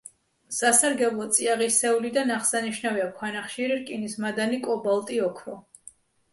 სასარგებლო წიაღისეულიდან აღსანიშნავია ქვანახშირი, რკინის მადანი, კობალტი, ოქრო.